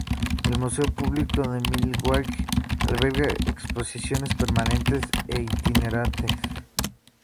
El Museo Público de Milwaukee alberga exposiciones permanentes e itinerantes.